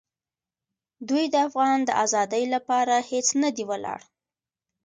دوی د افغان د آزادۍ لپاره هېڅ نه دي ولاړ.